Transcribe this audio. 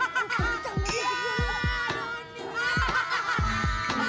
agar teman tuan amin forever